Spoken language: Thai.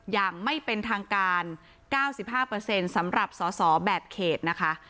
อย่างไม่เป็นทางการ๙๕สำหรับสอสอแบบเขตนะคะ